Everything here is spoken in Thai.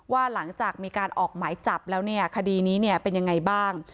ว่าหลังจากมีการออกหมายจับแล้วเนี่ยคดีนี้เนี่ยเป็นยังไงบ้าง